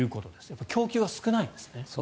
やっぱり供給が少ないんですね。